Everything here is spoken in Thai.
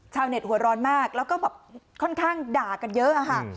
หัวร้อนมากแล้วก็แบบค่อนข้างด่ากันเยอะอะค่ะ